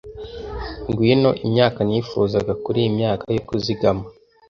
ngwino imyaka nifuzaga kuriyi myaka yo kuzigama